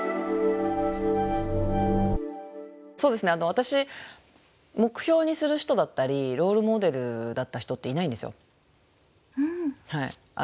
私目標にする人だったりロールモデルだった人っていないんですよ。